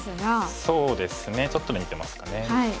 そうですねちょっと似てますかね。